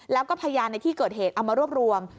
แล้วก็พยานในที่เกิดเหตุเอามารวบรวม